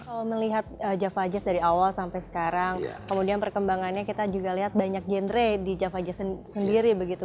kalau melihat java jazz dari awal sampai sekarang kemudian perkembangannya kita juga lihat banyak genre di java jazz sendiri begitu